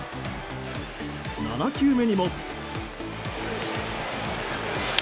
７球目にも。